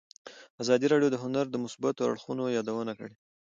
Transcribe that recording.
ازادي راډیو د هنر د مثبتو اړخونو یادونه کړې.